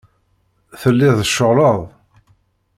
Telliḍ tceɣleḍ.